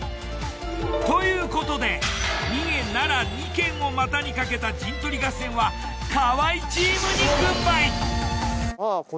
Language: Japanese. ということで三重奈良２県をまたにかけた陣取り合戦は河合チームに軍配！